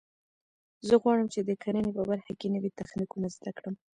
زه غواړم چې د کرنې په برخه کې نوي تخنیکونه زده کړم